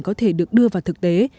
có thể được đưa vào thực tế